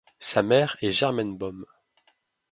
Sa mère est Germaine Beaume.